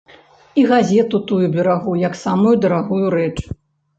І газету тую берагу, як самую дарагую рэч.